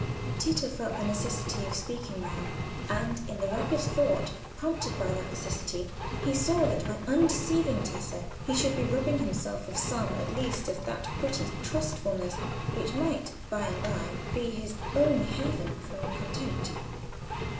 Tito felt the necessity of speaking now; and in the rapid thought prompted by that necessity, he saw that by undeceiving Tessa he should be robbing himself of some at least of that pretty trustfulness which might, by and by, be his only haven from contempt.